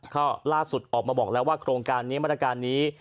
ก็ล่าสุดออกมาบอกแล้วว่าโครงการนี้มาตรการนี้